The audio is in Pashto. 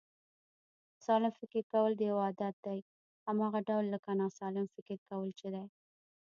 سالم فکر کول یو عادت دی، هماغه ډول لکه ناسلم فکر کول چې دی